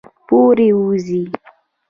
پورې ، وځي